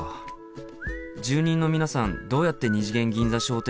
住人の皆さんどうやって二次元銀座商店街を歩いてるんですか？